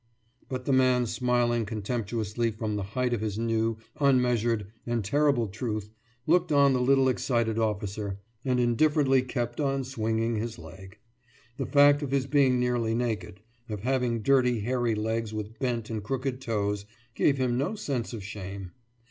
« But the man, smiling contemptuously from the height of his new, unmeasured, and terrible truth, looked on the little excited officer and indifferently kept on swinging his leg. The fact of his being nearly naked, of having dirty hairy legs with bent and crooked toes, gave him no sense of shame.